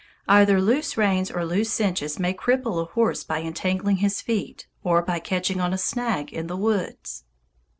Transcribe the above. Either loose reins or loose cinches may cripple a horse by entangling his feet, or by catching on a snag in the woods.